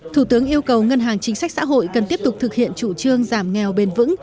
thủ tướng yêu cầu ngân hàng chính sách xã hội cần tiếp tục thực hiện chủ trương giảm nghèo bền vững